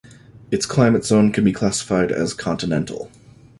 Its climate zone can be classified as continental.